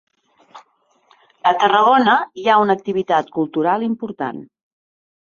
A Tarragona hi ha una activitat cultural important.